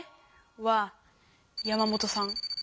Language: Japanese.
は山本さん。